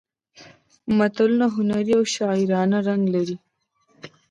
متلونه هنري او شاعرانه رنګ لري